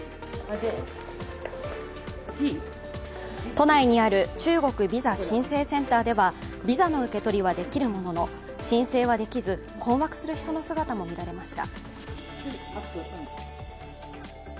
都内にある中国ビザ申請センターではビザの受け取りはできるものの申請はできず困惑する人の姿も見られました。